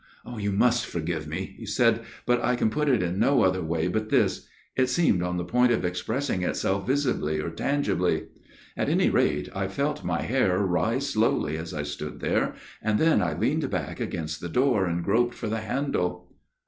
" You must for* give me," he said, " but I can put it in no way but this it seemed on the point of expressing itself visibly or tangibly ; at any rate I felt my hair rise slowly as I stood there, and then I leaned > back against the door and groped for the handle."